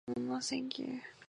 Hmm, no, thank you.